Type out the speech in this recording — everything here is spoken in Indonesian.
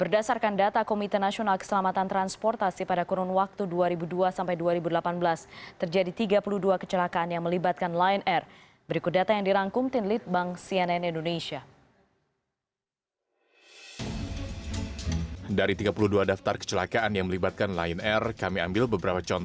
dan juga untuk penyelidikan pesawat lain